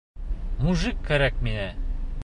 Мужик кәрәк миңә!